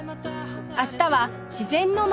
明日は自然の街